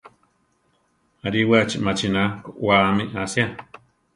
Aríwachi machína koʼwáami asia.